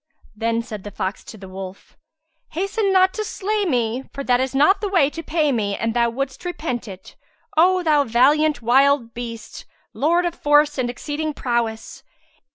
'" Then said the fox to the wolf, "Hasten not to slay me, for that is not the way to pay me and thou wouldst repent it, O thou valiant wild beast, lord of force and exceeding prowess!